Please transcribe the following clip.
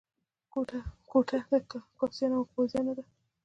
کوټه د کاسيانو او بازیانو ده.